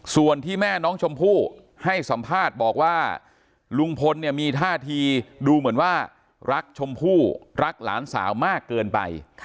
ส่วนที่แม่น้องชมพู่ให้สัมภาษณ์บอกว่าลุงพลเนี่ยมีท่าทีดูเหมือนว่ารักชมพู่รักหลานสาวมากเกินไป